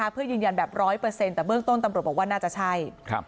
เพื่อยืนยันแบบ๑๐๐แต่เบื้องต้นตำรวจบอกว่าน่าจะใช่